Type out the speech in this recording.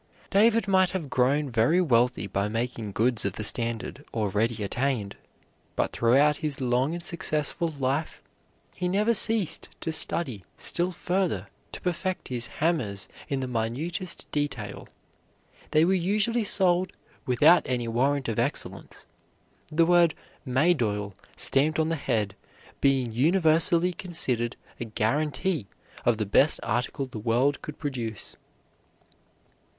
David might have grown very wealthy by making goods of the standard already attained; but throughout his long and successful life he never ceased to study still further to perfect his hammers in the minutest detail. They were usually sold without any warrant of excellence, the word "Maydole" stamped on the head being universally considered a guaranty of the best article the world could produce.